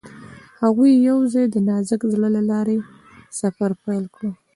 هغوی یوځای د نازک زړه له لارې سفر پیل کړ.